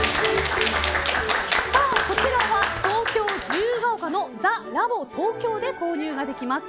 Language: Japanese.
こちらは東京・自由が丘のＴＨＥＬＡＢＴＯＫＹＯで購入ができます。